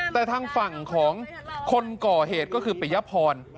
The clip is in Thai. แต่ทางฝั่งของคนก่อเหตุก็คือปิยพร